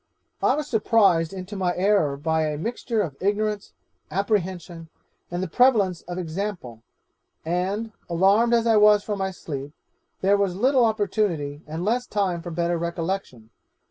'I was surprised into my error by a mixture of ignorance, apprehension, and the prevalence of example; and, alarmed as I was from my sleep, there was little opportunity and less time for better recollection.